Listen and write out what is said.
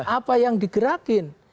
apa yang digerakin